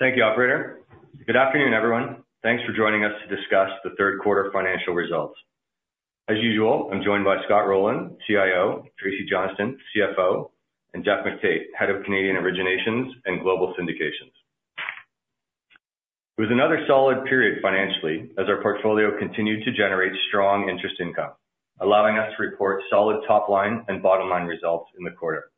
Thank you, operator. Good afternoon, everyone. Thanks for joining us to discuss the third quarter financial results. As usual, I'm joined by Scott Rowland, CIO, Tracy Johnston, CFO, and Geoff McTait, Head of Canadian Originations and Global Syndications. It was another solid period financially as our portfolio continued to generate strong interest income, allowing us to report solid top-line and bottom-line results in the quarter.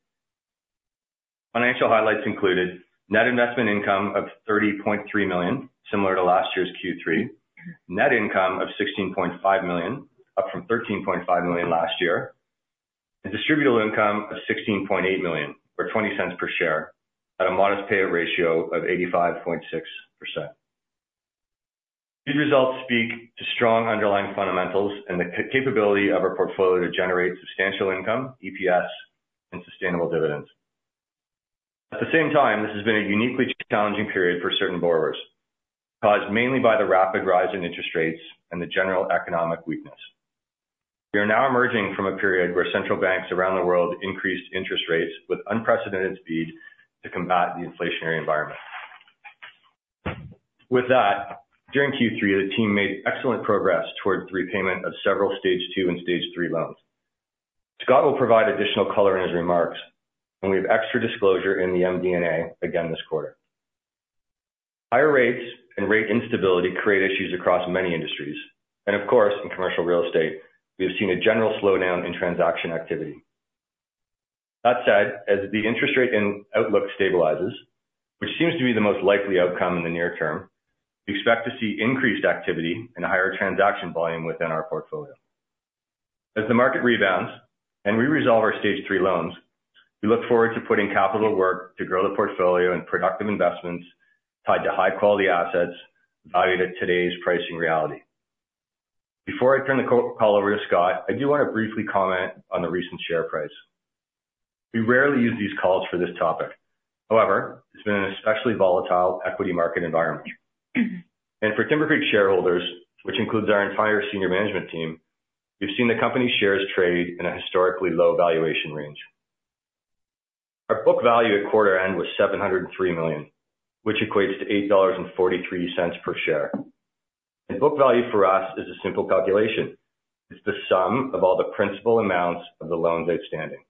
Financial highlights included net investment income of 30.3 million, similar to last year's Q3. Net income of 16.5 million, up from 13.5 million last year, and distributable income of 16.8 million, or 0.20 per share, at a modest payout ratio of 85.6%. These results speak to strong underlying fundamentals and the capability of our portfolio to generate substantial income, EPS, and sustainable dividends. At the same time, this has been a uniquely challenging period for certain borrowers, caused mainly by the rapid rise in interest rates and the general economic weakness. We are now emerging from a period where central banks around the world increased interest rates with unprecedented speed to combat the inflationary environment. With that, during Q3, the team made excellent progress towards the repayment of several Stage 2 and Stage 3 loans. Scott will provide additional color in his remarks, and we have extra disclosure in the MD&A again this quarter. Higher rates and rate instability create issues across many industries, and of course, in commercial real estate, we have seen a general slowdown in transaction activity. That said, as the interest rate and outlook stabilizes, which seems to be the most likely outcome in the near-term, we expect to see increased activity and a higher transaction volume within our portfolio. As the market rebounds and we resolve our Stage 3 loans, we look forward to putting capital to work to grow the portfolio and productive investments tied to high-quality assets valued at today's pricing reality. Before I turn the call over to Scott, I do want to briefly comment on the recent share price. We rarely use these calls for this topic. However, it's been an especially volatile equity market environment. For Timbercreek shareholders, which includes our entire senior management team, we've seen the company's shares trade in a historically low valuation range. Our book value at quarter end was 703 million, which equates to 8.43 dollars per share. Book value for us is a simple calculation. It's the sum of all the principal amounts of the loans outstanding.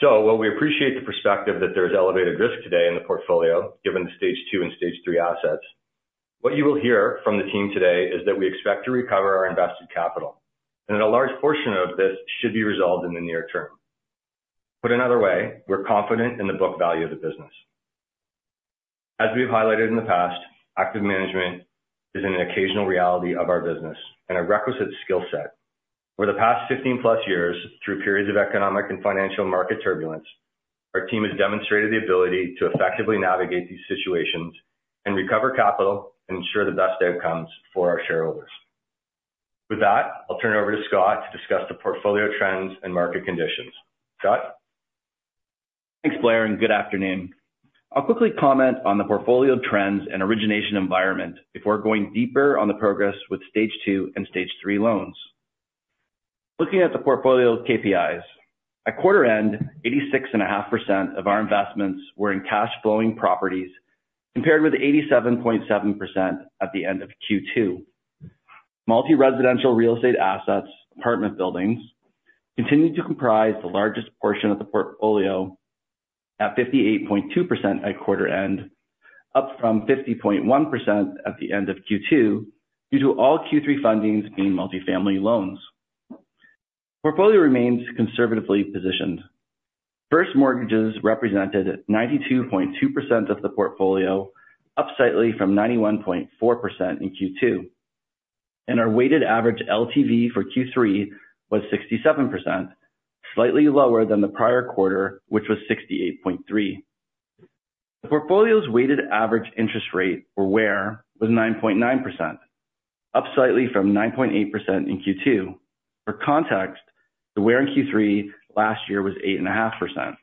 So while we appreciate the perspective that there is elevated risk today in the portfolio, given the Stage 2 and Stage 3 assets, what you will hear from the team today is that we expect to recover our invested capital, and that a large portion of this should be resolved in the near term. Put another way, we're confident in the book value of the business. As we've highlighted in the past, active management is an occasional reality of our business and a requisite skill set. Over the past 15+ years, through periods of economic and financial market turbulence, our team has demonstrated the ability to effectively navigate these situations and recover capital and ensure the best outcomes for our shareholders. With that, I'll turn it over to Scott to discuss the portfolio trends and market conditions. Scott? Thanks, Blair, and good afternoon. I'll quickly comment on the portfolio trends and origination environment before going deeper on the progress with Stage 2 and Stage 3 loans. Looking at the portfolio KPIs, at quarter end, 86.5% of our investments were in cash flowing properties, compared with 87.7% at the end of Q2. Multi-residential real estate assets, apartment buildings, continued to comprise the largest portion of the portfolio at 58.2% at quarter-end, up from 50.1% at the end of Q2, due to all Q3 fundings being multifamily loans. Portfolio remains conservatively positioned. First, mortgages represented 92.2% of the portfolio, up slightly from 91.4% in Q2, and our weighted average LTV for Q3 was 67%, slightly lower than the prior quarter, which was 68.3%. The portfolio's weighted average interest rate, or WAIR, was 9.9%, up slightly from 9.8% in Q2. For context, the WAIR in Q3 last year was 8.5%.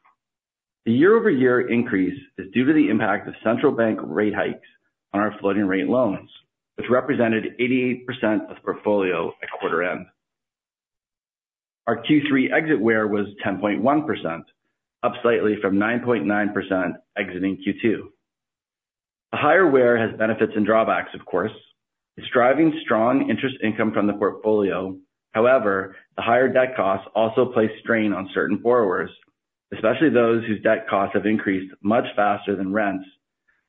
The year-over-year increase is due to the impact of central bank rate hikes on our floating-rate loans, which represented 88% of the portfolio at quarter end. Our Q3 exit WAIR was 10.1%, up slightly from 9.9% exiting Q2. A higher WAIR has benefits and drawbacks, of course. It's driving strong interest income from the portfolio. However, the higher debt costs also place strain on certain borrowers, especially those whose debt costs have increased much faster than rents,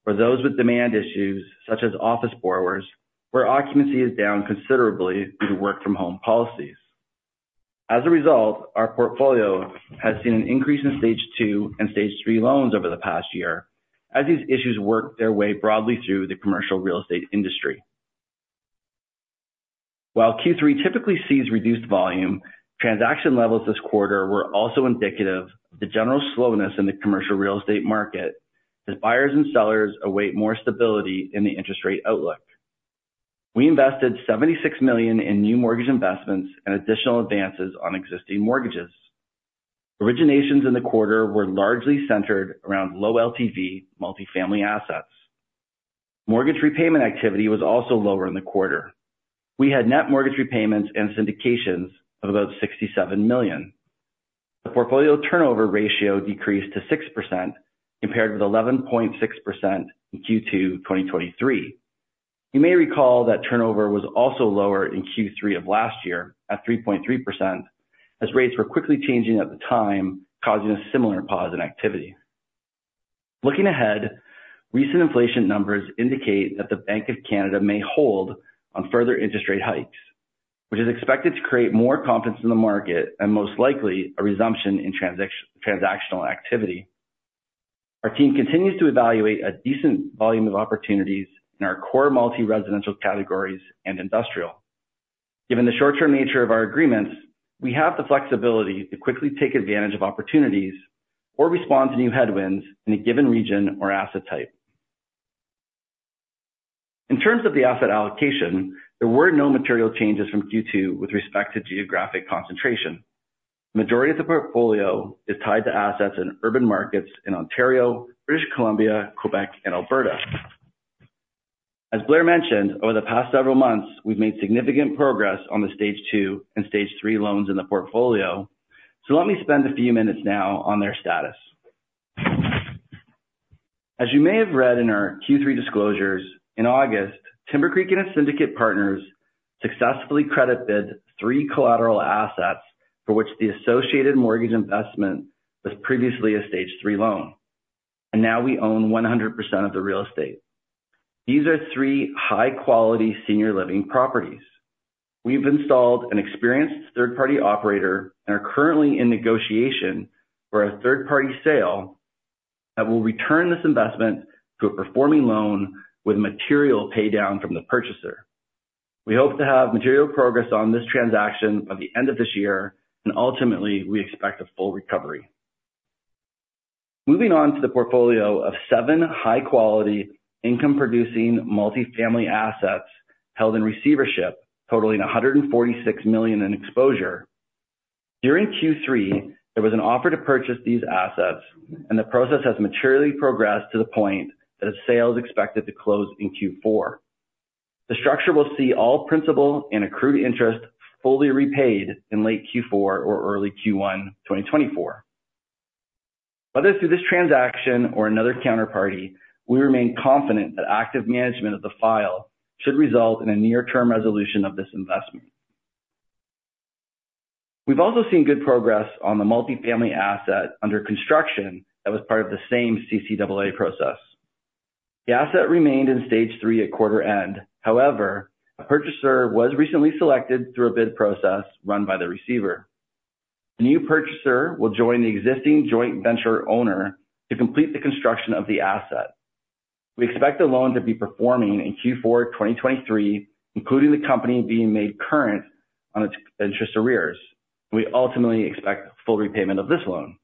or those with demand issues such as office borrowers, where occupancy is down considerably due to work-from-home policies. As a result, our portfolio has seen an increase in Stage 2 and Stage 3 loans over the past year as these issues work their way broadly through the commercial real estate industry. While Q3 typically sees reduced volume, transaction levels this quarter were also indicative of the general slowness in the commercial real estate market as buyers and sellers await more stability in the interest rate outlook. We invested 76 million in new mortgage investments and additional advances on existing mortgages. Originations in the quarter were largely centered around low LTV multifamily assets.... Mortgage repayment activity was also lower in the quarter. We had net mortgage repayments and syndications of about 67 million. The portfolio turnover ratio decreased to 6%, compared with 11.6% in Q2 2023. You may recall that turnover was also lower in Q3 of last year at 3.3%, as rates were quickly changing at the time, causing a similar pause in activity. Looking ahead, recent inflation numbers indicate that the Bank of Canada may hold on further interest rate hikes, which is expected to create more confidence in the market and most likely a resumption in transactional activity. Our team continues to evaluate a decent volume of opportunities in our core multi-residential categories and industrial. Given the short-term nature of our agreements, we have the flexibility to quickly take advantage of opportunities or respond to new headwinds in a given region or asset type. In terms of the asset allocation, there were no material changes from Q2 with respect to geographic concentration. Majority of the portfolio is tied to assets in urban markets in Ontario, British Columbia, Quebec and Alberta. As Blair mentioned, over the past several months, we've made significant progress on the Stage 2 and Stage 3 loans in the portfolio, so let me spend a few minutes now on their status. As you may have read in our Q3 disclosures, in August, Timbercreek and its syndicate partners successfully credit bid three collateral assets for which the associated mortgage investment was previously a Stage 3 loan, and now we own 100% of the real estate. These are three high-quality senior living properties. We've installed an experienced third-party operator and are currently in negotiation for a third-party sale that will return this investment to a performing loan with material paydown from the purchaser. We hope to have material progress on this transaction by the end of this year, and ultimately, we expect a full recovery. Moving on to the portfolio of seven high-quality income-producing multifamily assets held in receivership, totaling 146 million in exposure. During Q3, there was an offer to purchase these assets, and the process has materially progressed to the point that a sale is expected to close in Q4. The structure will see all principal and accrued interest fully repaid in late Q4 or early Q1, 2024. Whether through this transaction or another counterparty, we remain confident that active management of the file should result in a near-term resolution of this investment. We've also seen good progress on the multifamily asset under construction that was part of the same CCAA process. The asset remained in Stage 3 at quarter end. However, a purchaser was recently selected through a bid process run by the receiver. The new purchaser will join the existing joint venture owner to complete the construction of the asset. We expect the loan to be performing in Q4 2023, including the company being made current on its interest arrears. We ultimately expect full repayment of this loan.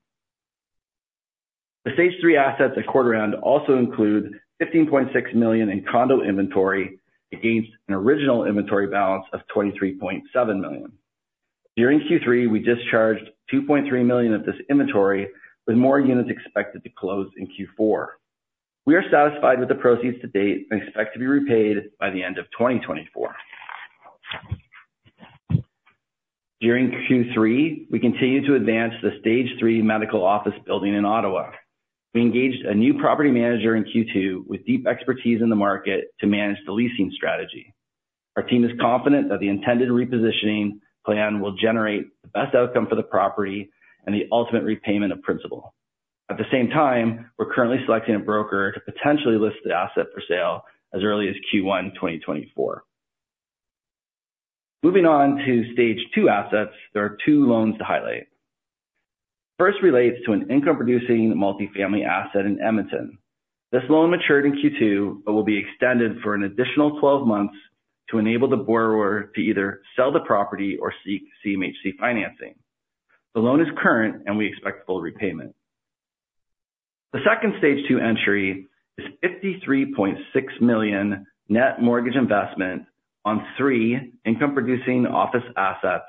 The Stage 3 assets at quarter end also include 15.6 million in condo inventory, against an original inventory balance of 23.7 million. During Q3, we discharged 2.3 million of this inventory, with more units expected to close in Q4. We are satisfied with the proceeds to date and expect to be repaid by the end of 2024. During Q3, we continued to advance the Stage 3 medical office building in Ottawa. We engaged a new property manager in Q2 with deep expertise in the market to manage the leasing strategy. Our team is confident that the intended repositioning plan will generate the best outcome for the property and the ultimate repayment of principal. At the same time, we're currently selecting a broker to potentially list the asset for sale as early as Q1 2024. Moving on to Stage 2 assets, there are two loans to highlight. First relates to an income-producing multifamily asset in Edmonton. This loan matured in Q2, but will be extended for an additional 12 months to enable the borrower to either sell the property or seek CMHC financing. The loan is current and we expect full repayment. The second Stage 2 entry is 53.6 million net mortgage investment on three income-producing office assets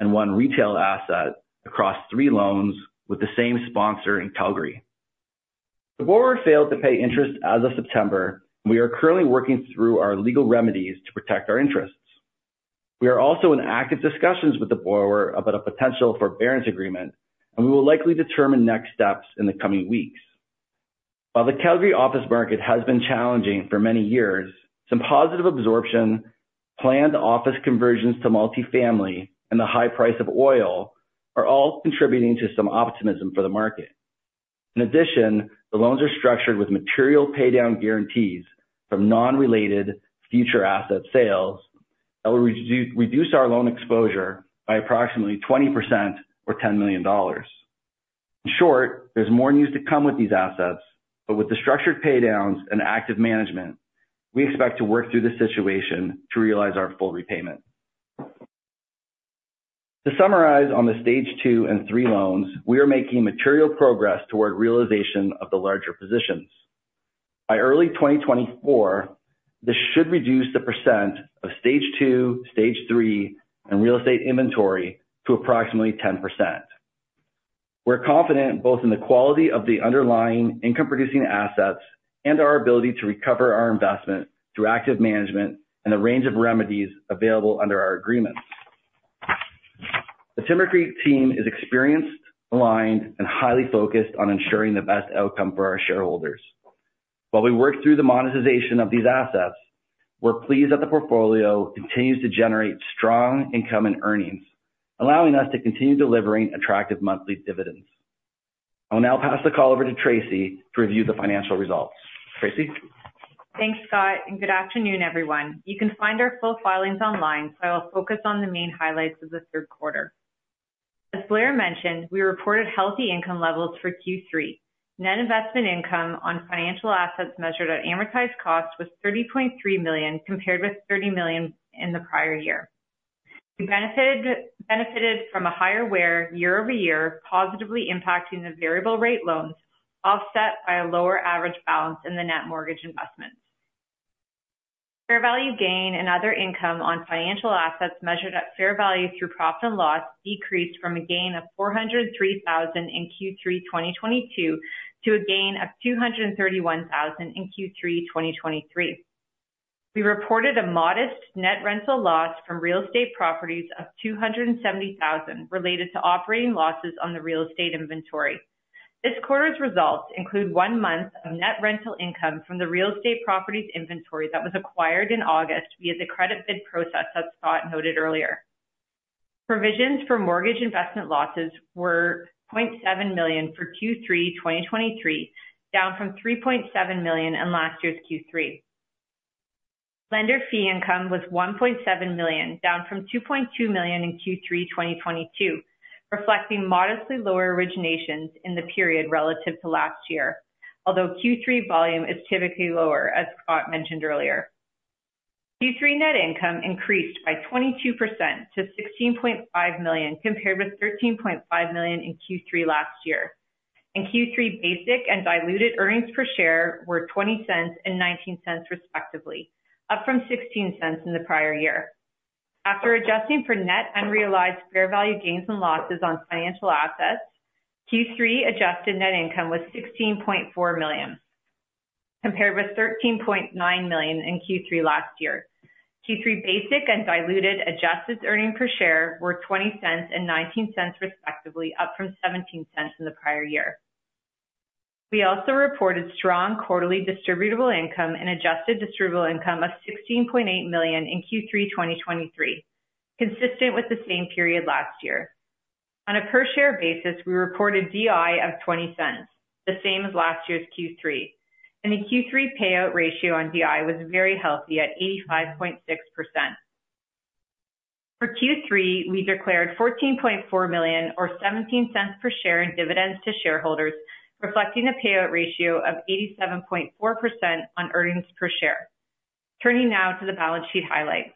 and one retail asset across three loans with the same sponsor in Calgary. The borrower failed to pay interest as of September. We are currently working through our legal remedies to protect our interests. We are also in active discussions with the borrower about a potential forbearance agreement, and we will likely determine next steps in the coming weeks. While the Calgary office market has been challenging for many years, some positive absorption, planned office conversions to multifamily and the high price of oil are all contributing to some optimism for the market. In addition, the loans are structured with material paydown guarantees from non-related future asset sales that will reduce our loan exposure by approximately 20% or 10 million dollars. In short, there's more news to come with these assets, but with the structured paydowns and active management, we expect to work through this situation to realize our full repayment. To summarize on the Stage 2 and Stage 3 loans, we are making material progress toward realization of the larger positions. By early 2024, this should reduce the percent of Stage 2, Stage 3, and real estate inventory to approximately 10%. We're confident both in the quality of the underlying income-producing assets and our ability to recover our investment through active management and a range of remedies available under our agreements. The Timbercreek team is experienced, aligned, and highly focused on ensuring the best outcome for our shareholders. While we work through the monetization of these assets, we're pleased that the portfolio continues to generate strong income and earnings, allowing us to continue delivering attractive monthly dividends. I'll now pass the call over to Tracy to review the financial results. Tracy? Thanks, Scott, and good afternoon, everyone. You can find our full filings online, so I will focus on the main highlights of the third quarter. As Blair mentioned, we reported healthy income levels for Q3. Net investment income on financial assets measured at amortized cost was 30.3 million, compared with 30 million in the prior year. We benefited from a higher WAIR year-over-year, positively impacting the variable rate loans, offset by a lower average balance in the net mortgage investments. Fair value gain and other income on financial assets measured at fair value through profit and loss decreased from a gain of 403,000 in Q3 2022 to a gain of 231,000 in Q3 2023. We reported a modest net rental loss from real estate properties of 270 thousand, related to operating losses on the real estate inventory. This quarter's results include 1 month of net rental income from the real estate properties inventory that was acquired in August via the credit bid process, as Scott noted earlier. Provisions for mortgage investment losses were 0.7 million for Q3 2023, down from 3.7 million in last year's Q3. Lender fee income was 1.7 million, down from 2.2 million in Q3 2022, reflecting modestly lower originations in the period relative to last year, although Q3 volume is typically lower, as Scott mentioned earlier. Q3 net income increased by 22% to 16.5 million, compared with 13.5 million in Q3 last year. In Q3, basic and diluted earnings per share were 0.20 and 0.19, respectively, up from 0.16 in the prior year. After adjusting for net unrealized fair value gains and losses on financial assets, Q3 adjusted net income was 16.4 million, compared with 13.9 million in Q3 last year. Q3 basic and diluted adjusted earnings per share were 0.20 and 0.19, respectively, up from 0.17 in the prior year. We also reported strong quarterly distributable income and adjusted distributable income of 16.8 million in Q3 2023, consistent with the same period last year. On a per-share basis, we reported DI of 0.20, the same as last year's Q3, and the Q3 payout ratio on DI was very healthy at 85.6%. For Q3, we declared 14.4 million or 0.17 per share in dividends to shareholders, reflecting a payout ratio of 87.4% on earnings per share. Turning now to the balance sheet highlights.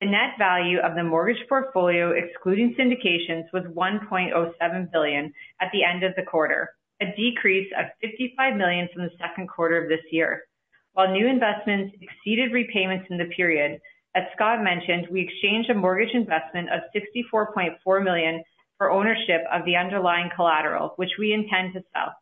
The net value of the mortgage portfolio, excluding syndications, was 1.07 billion at the end of the quarter, a decrease of 55 million from the second quarter of this year. While new investments exceeded repayments in the period, as Scott mentioned, we exchanged a mortgage investment of 64.4 million for ownership of the underlying collateral, which we intend to sell.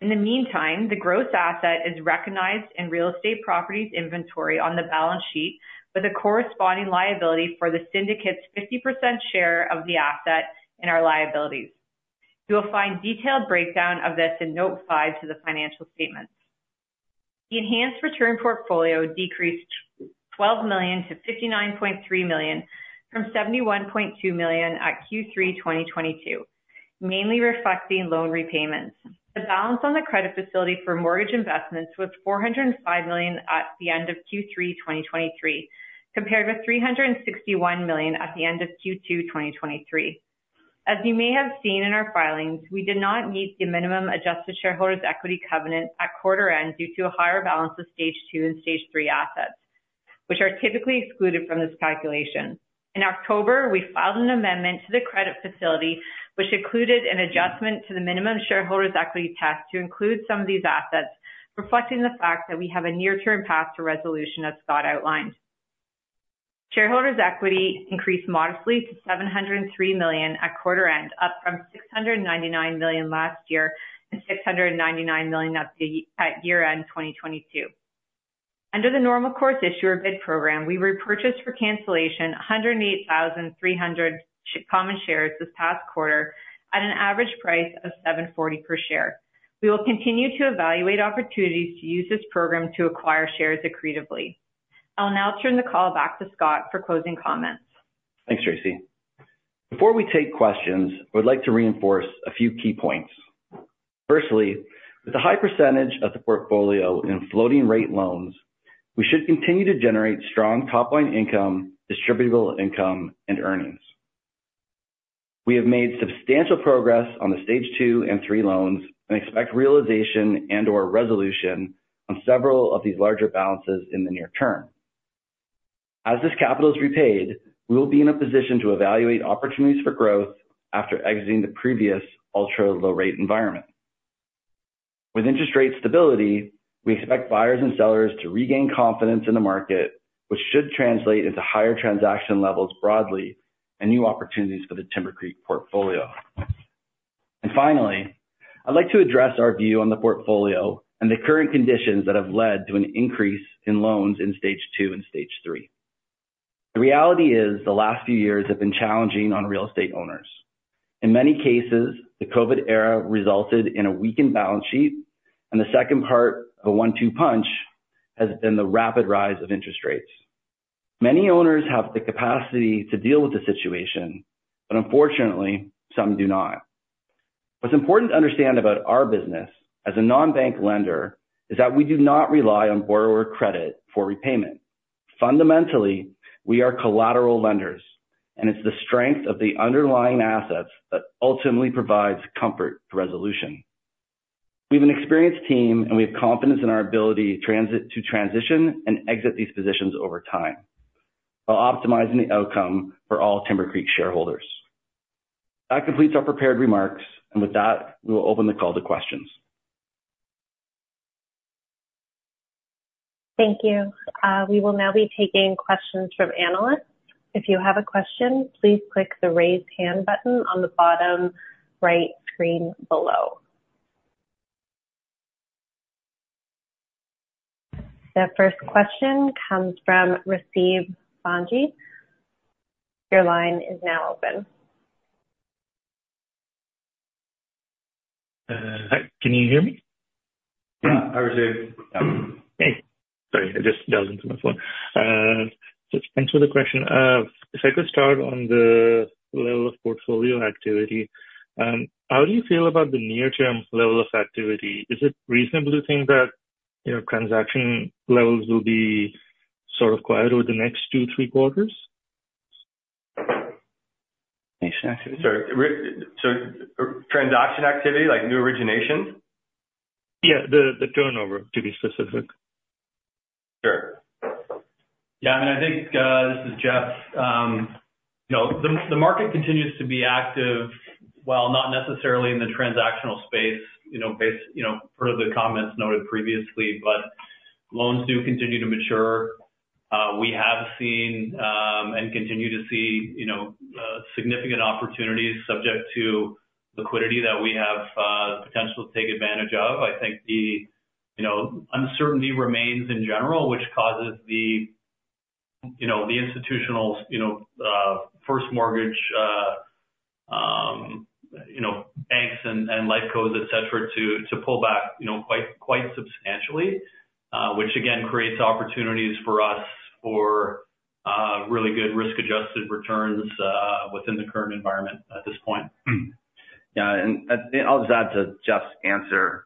In the meantime, the gross asset is recognized in real estate properties inventory on the balance sheet, with a corresponding liability for the syndicate's 50% share of the asset in our liabilities. You will find detailed breakdown of this in Note 5 to the financial statements. The Enhanced Return Portfolio decreased 12 million-59.3 million, from 71.2 million at Q3 2022, mainly reflecting loan repayments. The balance on the credit facility for mortgage investments was 405 million at the end of Q3 2023, compared with 361 million at the end of Q2 2023. As you may have seen in our filings, we did not meet the minimum adjusted shareholders' equity covenant at quarter end due to a higher balance of Stage 2 and Stage 3 assets, which are typically excluded from this calculation. In October, we filed an amendment to the credit facility, which included an adjustment to the minimum shareholders' equity test to include some of these assets, reflecting the fact that we have a near-term path to resolution, as Scott outlined. Shareholders' equity increased modestly to CAD 703 million at quarter-end, up from CAD 699 million last year, and CAD 699 million at year-end 2022. Under the normal course issuer bid program, we repurchased for cancellation 108,300 common shares this past quarter at an average price of 7.40 per share. We will continue to evaluate opportunities to use this program to acquire shares accretively. I'll now turn the call back to Scott for closing comments. Thanks, Tracy. Before we take questions, I would like to reinforce a few key points. Firstly, with a high percentage of the portfolio in floating-rate loans, we should continue to generate strong top-line income, distributable income, and earnings. We have made substantial progress on the Stage 2 and Stage 3 loans and expect realization and/or resolution on several of these larger balances in the near-term. As this capital is repaid, we will be in a position to evaluate opportunities for growth after exiting the previous ultra-low rate environment. With interest rate stability, we expect buyers and sellers to regain confidence in the market, which should translate into higher transaction levels broadly and new opportunities for the Timbercreek portfolio. And finally, I'd like to address our view on the portfolio and the current conditions that have led to an increase in loans in Stage 2 and Stage 3. The reality is, the last few years have been challenging on real estate owners. In many cases, the COVID era resulted in a weakened balance sheet, and the second part of a one-two punch has been the rapid rise of interest rates. Many owners have the capacity to deal with the situation, but unfortunately, some do not. What's important to understand about our business as a non-bank lender, is that we do not rely on borrower credit for repayment. Fundamentally, we are collateral lenders, and it's the strength of the underlying assets that ultimately provides comfort for resolution. We have an experienced team, and we have confidence in our ability to transition and exit these positions over time, while optimizing the outcome for all Timbercreek shareholders. That completes our prepared remarks, and with that, we will open the call to questions. Thank you. We will now be taking questions from analysts. If you have a question, please click the Raise Hand button on the bottom right screen below. The first question comes from Rasib Bhanji. Your line is now open. Hi, can you hear me? Hi, Rasib. Hey, sorry, I just dialed into my phone. So thanks for the question. If I could start on the level of portfolio activity, how do you feel about the near-term level of activity? Is it reasonable to think that, you know, transaction levels will be sort of quiet over the next two, three quarters? Sorry, so transaction activity, like new origination? Yeah, the turnover, to be specific. Sure. Yeah, and I think, this is Geoff. You know, the market continues to be active, while not necessarily in the transactional space, you know, based, you know, per the comments noted previously, but loans do continue to mature. We have seen, and continue to see, you know, significant opportunities subject to liquidity that we have, the potential to take advantage of. I think the, you know, uncertainty remains in general, which causes the, you know, the institutional, you know, first mortgage, banks and, and Lifecos, et cetera, to, to pull back, you know, quite, quite substantially, which again, creates opportunities for us for, really good risk-adjusted returns, within the current environment at this point. Yeah, and I'll just add to Geoff's answer.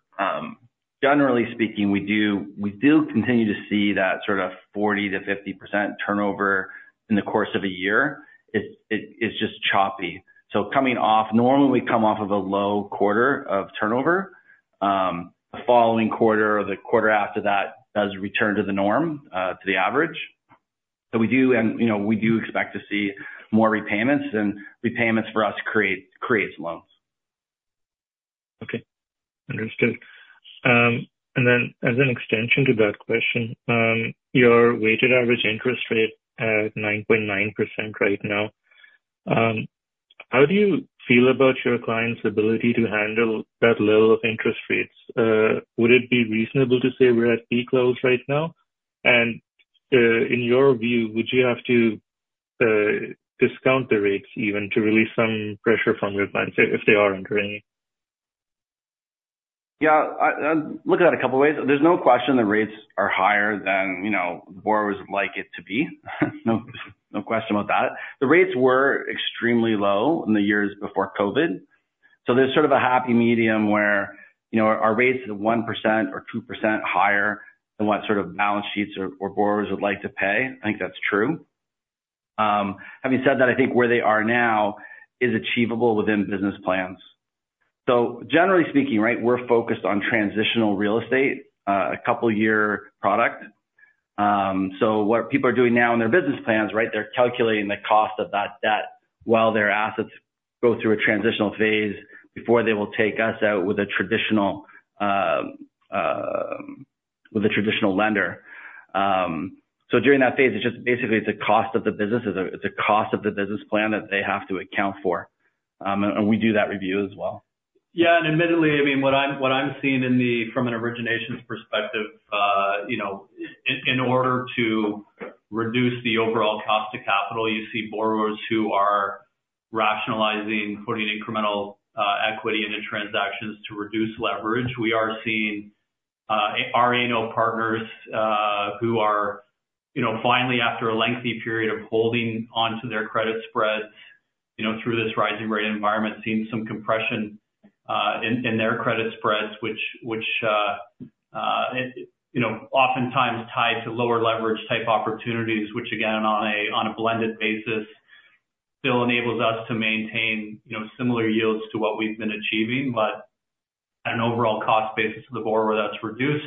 Generally speaking, we do, we do continue to see that sort of 40%-50% turnover in the course of a year. It's, it, it's just choppy. So coming off—normally, we come off of a low quarter of turnover. The following quarter or the quarter after that does return to the norm, to the average. So we do and, you know, we do expect to see more repayments, and repayments for us create, creates loans. Okay, understood. And then as an extension to that question, your weighted average interest rate, 9.9% right now, how do you feel about your clients' ability to handle that level of interest rates? Would it be reasonable to say we're at peak levels right now? And, in your view, would you have to discount the rates even to release some pressure from your clients if they are under any? Yeah, I look at it a couple of ways. There's no question the rates are higher than, you know, borrowers would like it to be. No, no question about that. The rates were extremely low in the years before COVID, so there's sort of a happy medium where, you know, our rates are 1% or 2% higher than what sort of balance sheets or borrowers would like to pay. I think that's true. Having said that, I think where they are now is achievable within business plans. So generally speaking, right, we're focused on transitional real estate, a couple-year product. So what people are doing now in their business plans, right, they're calculating the cost of that debt while their assets go through a transitional phase before they will take us out with a traditional, with a traditional lender. During that phase, it's just basically the cost of the business, it's the cost of the business plan that they have to account for. And we do that review as well. Yeah, and admittedly, I mean, what I'm seeing in the... From an origination perspective, you know, in order to reduce the overall cost to capital, you see borrowers who are rationalizing, putting incremental equity into transactions to reduce leverage. We are seeing our annual partners who are, you know, finally, after a lengthy period of holding onto their credit spreads, you know, through this rising rate environment, seeing some compression in their credit spreads, which you know oftentimes tied to lower leverage type opportunities, which again, on a blended basis, still enables us to maintain, you know, similar yields to what we've been achieving, but an overall cost basis to the borrower that's reduced.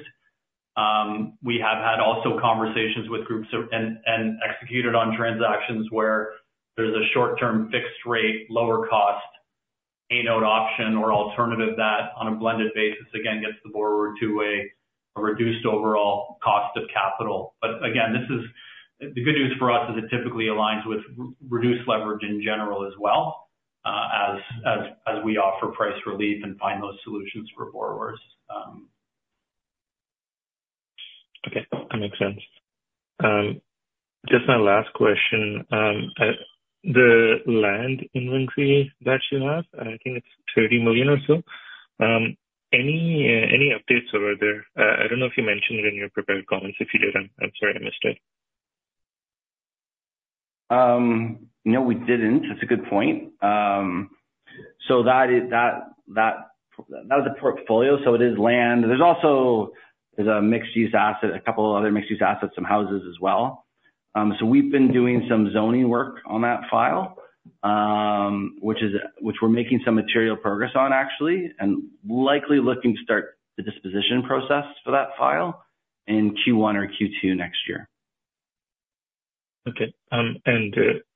We have had also conversations with groups and executed on transactions where there's a short-term fixed rate, lower cost, A-note option or alternative that, on a blended basis, again, gets the borrower to a reduced overall cost of capital. But again, this is the good news for us is it typically aligns with reduced leverage in general as well, as we offer price relief and find those solutions for borrowers. Okay, that makes sense. Just my last question. The land inventory that you have, I think it's 30 million or so. Any updates over there? I don't know if you mentioned it in your prepared comments. If you did, I'm sorry, I missed it. No, we didn't. That's a good point. So that was a portfolio, so it is land. There's also a mixed-use asset, a couple other mixed-use assets, some houses as well. So we've been doing some zoning work on that file, which we're making some material progress on, actually, and likely looking to start the disposition process for that file in Q1 or Q2 next year. Okay. And,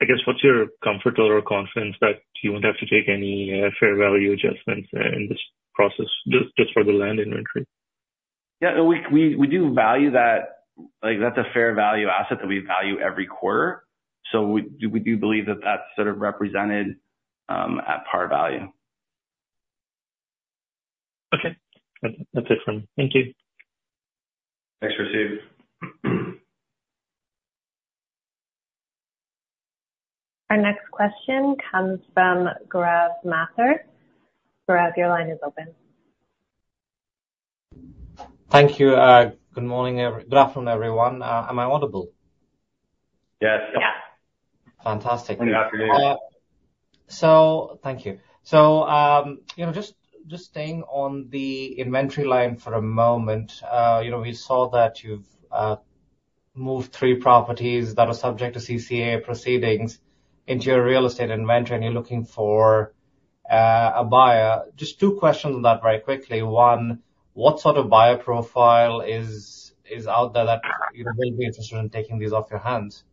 I guess, what's your comfort or confidence that you won't have to take any fair value adjustments in this process, just for the land inventory? Yeah. We do value that. Like, that's a fair value asset that we value every quarter, so we do believe that that's sort of represented at par value. Okay. That's, that's it for me. Thank you. Thanks, Rasib. Our next question comes from Gaurav Mathur. Gaurav, your line is open. Thank you. Good morning, good afternoon, everyone. Am I audible? Yes. Yeah. Fantastic. Good afternoon. So thank you. So, you know, just, just staying on the inventory line for a moment. You know, we saw that you've moved three properties that are subject to CCAA proceedings into your real estate inventory, and you're looking for a buyer. Just two questions on that very quickly. One, what sort of buyer profile is, is out there that, you know, may be interested in taking these off your hands?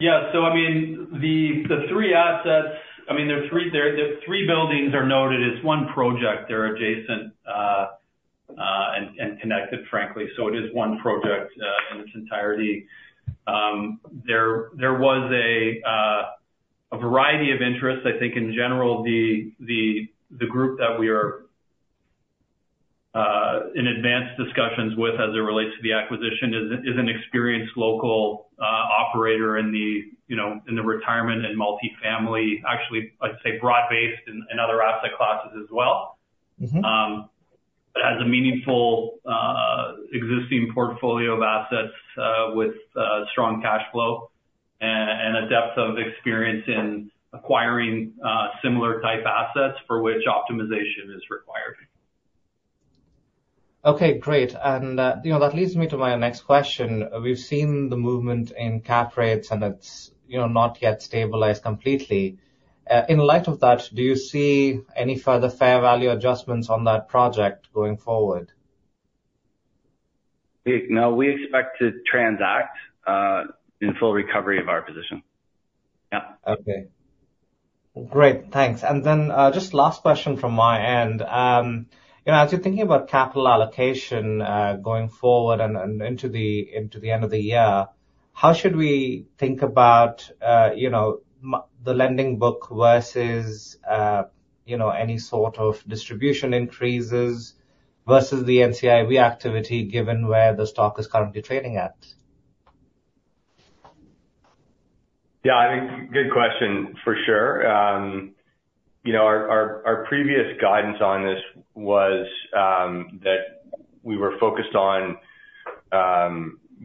Yeah. So I mean, the three assets, I mean, there are three there. The three buildings are noted as one project. They're adjacent and connected, frankly. So it is one project in its entirety. There was a variety of interests. I think in general, the group that we are in advanced discussions with as it relates to the acquisition is an experienced local operator in the, you know, in the retirement and multifamily. Actually, I'd say broad-based and other asset classes as well. Mm-hmm. But has a meaningful existing portfolio of assets with strong cash flow and a depth of experience in acquiring similar type assets for which optimization is required. Okay, great. And, you know, that leads me to my next question. We've seen the movement in cap rates, and it's, you know, not yet stabilized completely. In light of that, do you see any further fair value adjustments on that project going forward? No, we expect to transact in full recovery of our position. Yeah. Okay. Great, thanks. And then, just last question from my end. You know, as you're thinking about capital allocation, going forward and into the end of the year, how should we think about, you know, the lending book versus, you know, any sort of distribution increases versus the NCIB activity, given where the stock is currently trading at? Yeah, I think good question, for sure. You know, our previous guidance on this was that we were focused on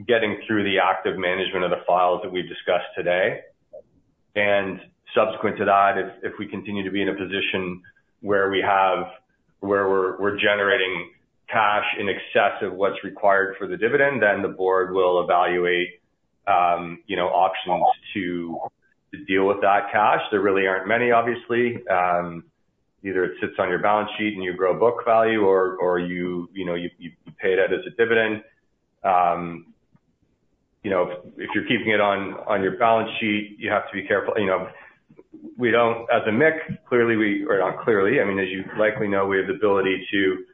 getting through the active management of the files that we've discussed today. And subsequent to that, if we continue to be in a position where we're generating cash in excess of what's required for the dividend, then the board will evaluate, you know, options to deal with that cash. There really aren't many, obviously. Either it sits on your balance sheet and you grow book value, or you know, you pay it out as a dividend. You know, if you're keeping it on your balance sheet, you have to be careful. You know, we don't as a mix, clearly, we... Or not clearly, I mean, as you likely know, we have the ability to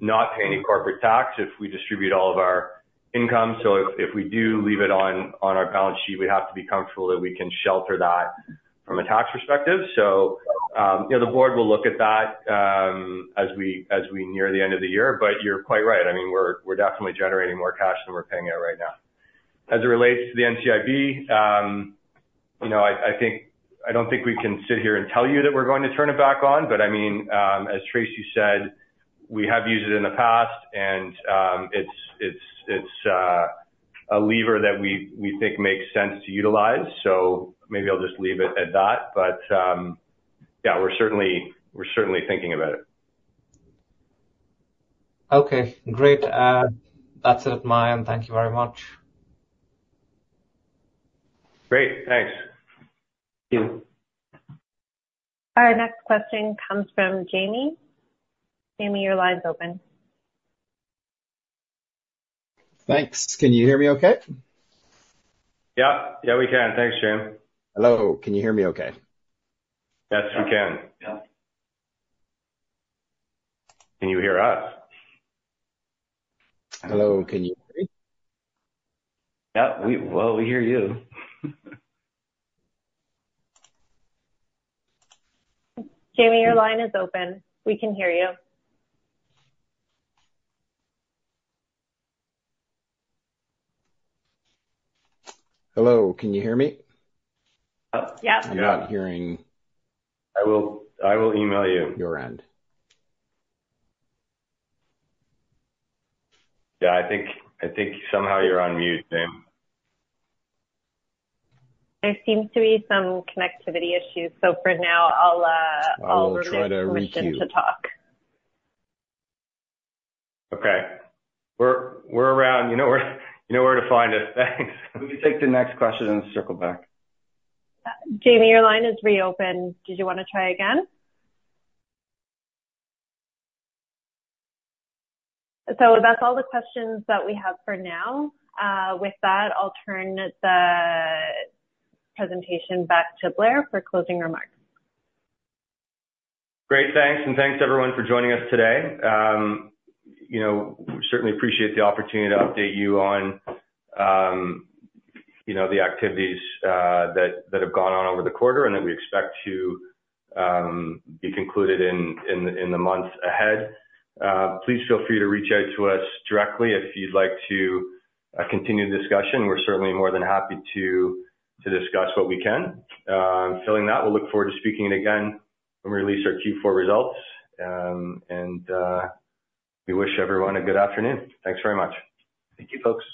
not pay any corporate tax if we distribute all of our income. So if we do leave it on our balance sheet, we have to be comfortable that we can shelter that from a tax perspective. So, you know, the board will look at that as we near the end of the year. But you're quite right. I mean, we're definitely generating more cash than we're paying out right now. As it relates to the NCIB, you know, I think. I don't think we can sit here and tell you that we're going to turn it back on. But I mean, as Tracy said, we have used it in the past, and, it's a lever that we think makes sense to utilize. So maybe I'll just leave it at that. But, yeah, we're certainly thinking about it. Okay, great. That's it on my end. Thank you very much.... Great, thanks. Thank you. Our next question comes from Jaeme. Jaeme, your line's open. Thanks. Can you hear me okay? Yeah. Yeah, we can. Thanks, Jaeme. Hello. Can you hear me okay? Yes, we can. Yeah. Can you hear us? Hello, can you hear me? Yeah, well, we hear you. Jaeme, your line is open. We can hear you. Hello, can you hear me? Yep. Yeah. I'm not hearing—I will, I will email you. Your end. Yeah, I think, I think somehow you're on mute, Jim. There seems to be some connectivity issues, so for now, I'll- I will try to reach you. permit him to talk. Okay. We're, we're around. You know where, you know where to find us. Thanks. Let me take the next question and circle back. Jaeme, your line is reopened. Did you want to try again? So that's all the questions that we have for now. With that, I'll turn the presentation back to Blair for closing remarks. Great, thanks. Thanks, everyone, for joining us today. You know, we certainly appreciate the opportunity to update you on, you know, the activities that have gone on over the quarter and that we expect to be concluded in the months ahead. Please feel free to reach out to us directly if you'd like to continue the discussion. We're certainly more than happy to discuss what we can. With that, we'll look forward to speaking again when we release our Q4 results. We wish everyone a good afternoon. Thanks very much. Thank you, folks.